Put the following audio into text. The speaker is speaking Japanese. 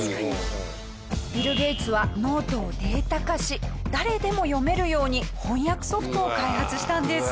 ビル・ゲイツはノートをデータ化し誰でも読めるように翻訳ソフトを開発したんです。